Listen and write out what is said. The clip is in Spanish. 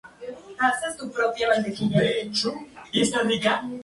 La incidencia de la enfermedad depende de las condiciones climáticas.